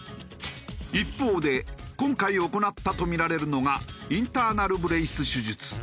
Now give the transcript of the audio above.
一方で今回行ったとみられるのがインターナル・ブレイス手術。